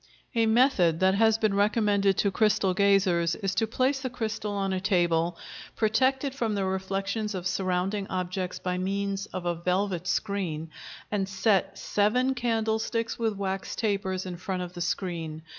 A method that has been recommended to crystal gazers is to place the crystal on a table, protect it from the reflections of surrounding objects by means of a velvet screen, and set seven candlesticks with wax tapers in front of the screen.